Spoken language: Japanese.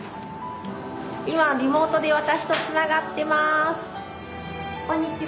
今リモートで私とつながっています。